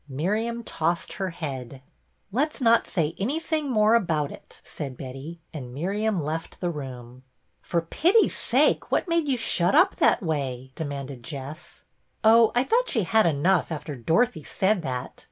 Miriam tossed her head. "Let's not say anything more about it," said Betty; and Miriam left the room. " For pity's sake, what made you shut up that way," demanded Jess. " Oh, I thought she had enough after Dorothy said that.